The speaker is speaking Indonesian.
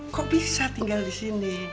kok bisa tinggal di sini